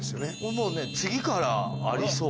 もうね次からありそう。